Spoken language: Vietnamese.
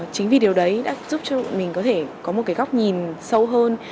chính vì điều đấy đã giúp cho bọn mình có thể có một góc nhìn sâu hơn